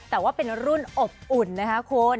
แต่ว่าเป็นรุ่นอบอุ่นนะคะคุณ